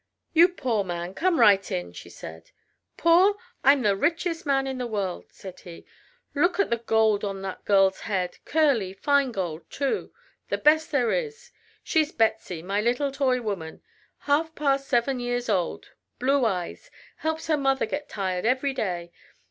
"You poor man! Come right in," she said. "Poor! I'm the richest man in the world," said he. "Look at the gold on that girl's head curly, fine gold, too the best there is. She's Betsey my little toy woman half past seven years old blue eyes helps her mother get tired every day.